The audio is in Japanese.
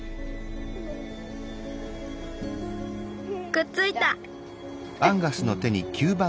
くっついた。